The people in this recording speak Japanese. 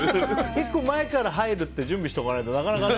結構前から入るって準備しとかないと、なかなかね。